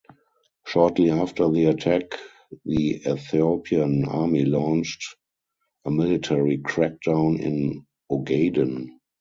Shortly after the attack, the Ethiopian Army launched a military crackdown in Ogaden.